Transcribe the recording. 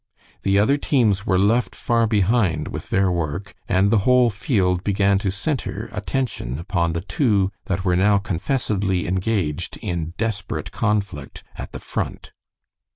The other teams were left far behind with their work, and the whole field began to center attention upon the two that were now confessedly engaged in desperate conflict at the front.